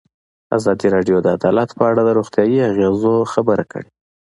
ازادي راډیو د عدالت په اړه د روغتیایي اغېزو خبره کړې.